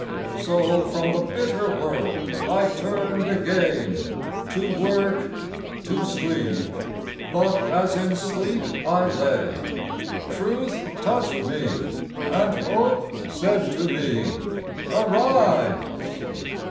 So from the bitter world I turned again, To work, to sleep; but as in sleep I lay, Truth touched me, and Hope said to me, "Arise!"